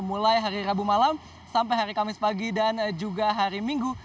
mulai hari rabu malam sampai hari kamis pagi dan juga hari minggu